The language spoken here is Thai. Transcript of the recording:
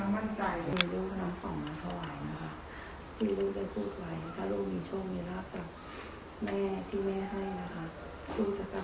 มาครั้งแรกเลยล่ะค่ะ